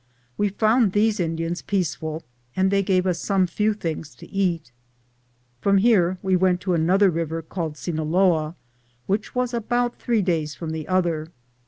We found these Indians peaceful, and they gave us some few things to eat. From here we went to another river called Cinaloa, which was about three days from the other.